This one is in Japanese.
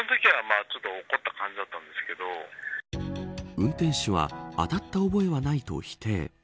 運転手は当たった覚えはないと否定。